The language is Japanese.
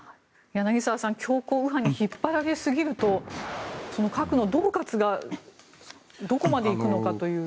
柳澤さん強硬右派に引っ張られすぎると核のどう喝がどこまで行くのかという。